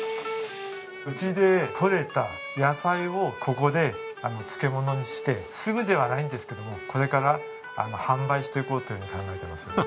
うちで取れた野菜をここで漬物にしてすぐではないんですけどもこれから販売していこうというように考えてます。